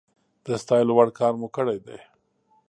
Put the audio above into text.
د ستايلو وړ کار مو کړی دی